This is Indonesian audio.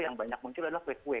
yang banyak muncul adalah kue kue